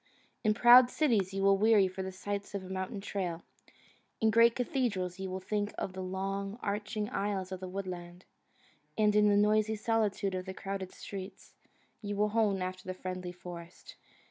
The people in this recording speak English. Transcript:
In proud cities you will weary for the sight of a mountain trail; in great cathedrals you will think of the long, arching aisles of the woodland; and in the noisy solitude of crowded streets you will hone after the friendly forest.